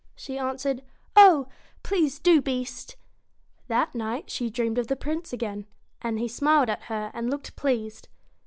she answered, ' Oh ! please do, Beast !' That night she dreamed of the Prince again, and he smiled at her and looked pleased.